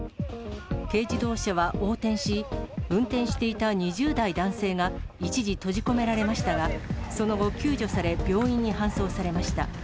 軽自動車は横転し、運転していた２０代男性が一時閉じ込められましたが、その後、救助され病院に搬送されました。